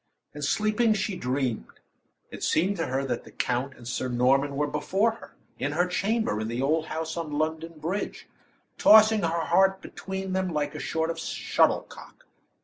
And sleeping, she dreamed. It seemed to her that the count and Sir Norman were before her, in her chamber in the old house on London Bridge, tossing her heart between them like a sort of shuttlecock.